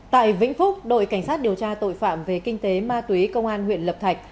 tại vĩnh phúc đội cảnh sát điều tra tội phạm về kinh tế ma túy công an huyện lập thạch